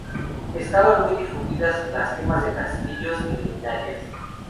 Estaban muy difundidas las quemas de castillos y luminarias.